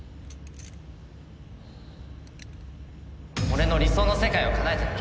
俺の理想の世界をかなえてな。